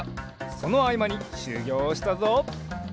そのあいまにしゅぎょうをしたぞ。